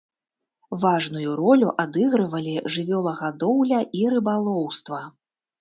Важную ролю адыгрывалі жывёлагадоўля і рыбалоўства.